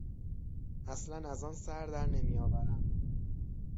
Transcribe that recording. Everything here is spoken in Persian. اصلا از آن سر درنمیآورم.